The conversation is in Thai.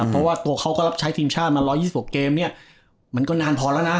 เพราะว่าตัวเขาก็รับใช้ทีมชาติมา๑๒๖เกมเนี่ยมันก็นานพอแล้วนะ